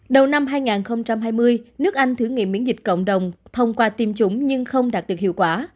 đầu năm hai nghìn hai mươi nước anh thử nghiệm miễn dịch cộng đồng thông qua tiêm chủng nhưng không đạt được hiệu quả